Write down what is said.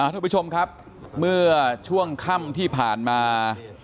ทุกผู้ชมครับเมื่อช่วงค่ำที่ผ่านมา